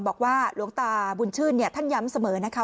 บอกว่าหลวงตาบุญชื่นท่านย้ำเสมอนะคะ